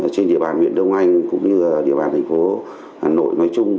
trên địa bàn huyện đông anh cũng như địa bàn thành phố hà nội nói chung